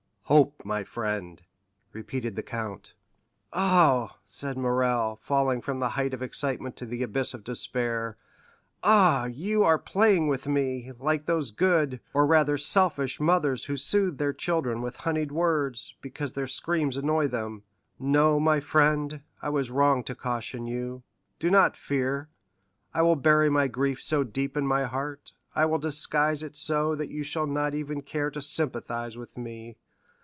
"Hope, my friend," repeated the count. "Ah," said Morrel, falling from the height of excitement to the abyss of despair—"ah, you are playing with me, like those good, or rather selfish mothers who soothe their children with honeyed words, because their screams annoy them. No, my friend, I was wrong to caution you; do not fear, I will bury my grief so deep in my heart, I will disguise it so, that you shall not even care to sympathize with me.